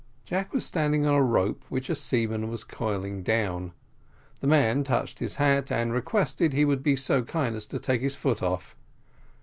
Jack was standing on a rope which a seaman was coiling down; the man touched his hat and requested he would be so kind as to take his foot off.